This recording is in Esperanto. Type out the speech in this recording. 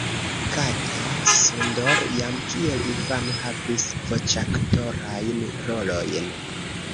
Kata Csondor jam kiel infano havis voĉaktorajn rolojn.